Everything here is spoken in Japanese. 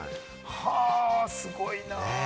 は、すごいな。